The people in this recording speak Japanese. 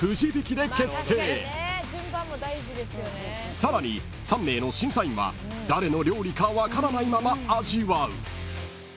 ［さらに３名の審査員は誰の料理か分からないまま味わう］